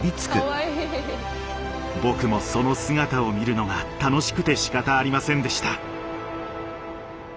僕もその姿を見るのが楽しくてしかたありませんでした。